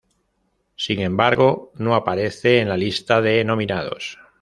Sin embargo, no aparece en la lista de nominados.